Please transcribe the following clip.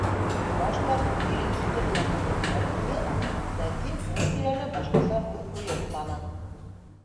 - Баш табип ирен сите менән көлөмһөрәп ҡуйҙы, ләкин ул тирәлә башҡаса һүҙ ҡуйыртманы.